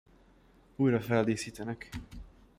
Újra feldíszítenek!